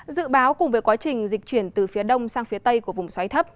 dự báo cùng với quá trình dịch chuyển từ phía đông sang phía tây của vùng xoáy thấp